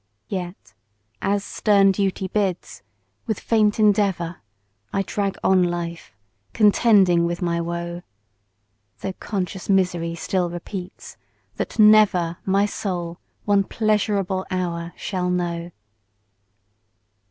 Yet, as stern duty bids, with faint endeavour I drag on life, contending with my woe, Though conscious misery still repeats, that never My soul one pleasurable hour shall know.